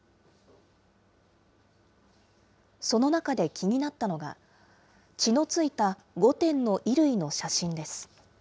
その中で気になったのが、血の付いた５点の衣類の写真です。